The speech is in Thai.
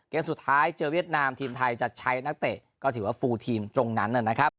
เกมสุดท้ายเจอเวียดนามทีมไทยจะใช้นักเตะก็ถือว่าฟูลทีมตรงนั้นนะครับ